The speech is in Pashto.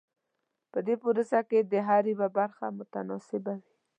په دې پروسه کې د هر یوه برخه متناسبه وي.